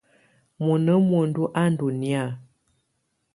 Mɔna muǝndu á ndɔ nɛ̀á.